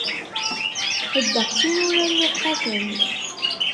Ddeqs i nurar ileqqafen.